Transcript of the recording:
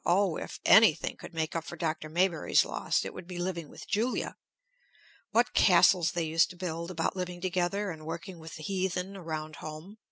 Oh, if anything could make up for Dr. Maybury's loss, it would be living with Julia! What castles they used to build about living together and working with the heathen around home.